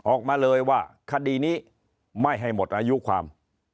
ออกมาเลยว่าคดีนี้ไม่ให้หมดอายุความ